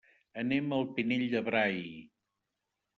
Anem al Pinell de Brai.